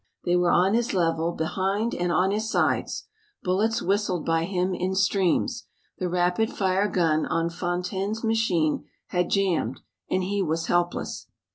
They were on his level, behind and on his sides. Bullets whistled by him in streams. The rapid fire gun on Fontaine's machine had jammed and he was helpless.